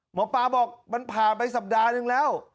หมอปลาบอกมันผ่านไปสัปดาห์นึงแล้ว